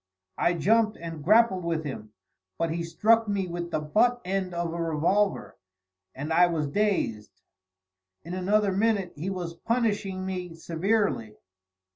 I jumped and grappled with him, but he struck me with the butt end of a revolver, and I was dazed; in another minute, he was punishing me severely.